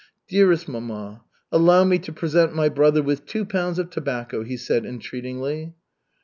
"Dearest mamma, allow me to present my brother with two pounds of tobacco," he said entreatingly.